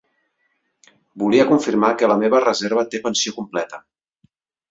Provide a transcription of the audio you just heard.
Volia confirmar que la meva reserva té pensió complerta.